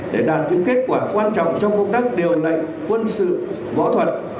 để đạt những kết quả quan trọng trong công tác điều lệnh quân sự võ thuật